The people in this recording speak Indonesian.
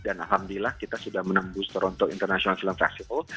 dan alhamdulillah kita sudah menembus toronto international film festival